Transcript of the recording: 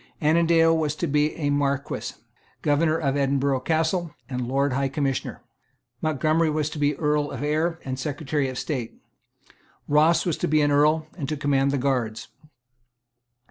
Annandale was to be a Marquess, Governor of Edinburgh Castle, and Lord High Commissioner. Montgomery was to be Earl of Ayr and Secretary of State. Ross was to be an Earl and to command the guards.